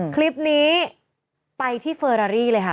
คลิปนี้ไปที่เฟอรารี่เลยค่ะ